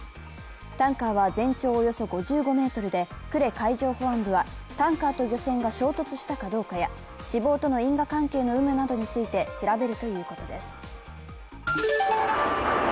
タンカーは全長およそ５５ｍで呉海上保安部は、タンカーと漁船が衝突したかどうかや死亡との因果関係の有無などについて調べるということです。